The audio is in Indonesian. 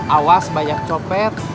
awas banyak copet